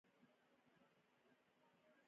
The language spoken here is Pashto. دوی مرکزي سیمو ته د اوسپنې پټلۍ غځول پیل کړي وو.